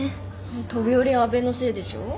飛び降りは阿部のせいでしょ？